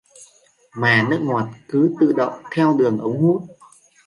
Mà nước ngọt cứ tự động theo đường ống bút